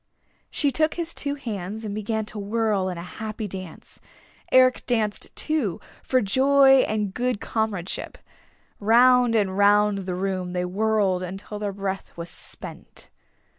She took his two hands and began to whirl in a happy dance. Eric danced, too, for joy and good comradeship. Round and round the room they whirled until their breath was spent.